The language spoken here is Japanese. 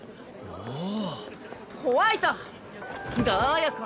おお！